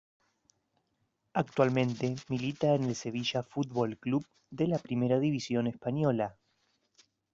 Actualmente milita en el Sevilla Fútbol Club de la primera división española.